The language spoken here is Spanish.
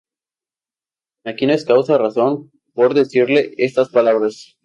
Aquí no es causa o razón por decirle estas palabras".